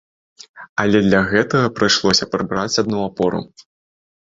Але для гэтага прыйшлося прыбраць адну апору.